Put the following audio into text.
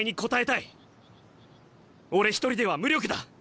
俺一人では無力だ。